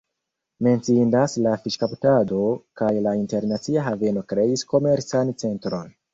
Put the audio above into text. Menciindas la fiŝkaptado kaj la internacia haveno kreis komercan centron.